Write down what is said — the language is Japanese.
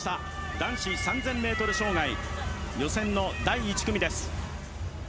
男子３０００メートル障害、予選の第１組です。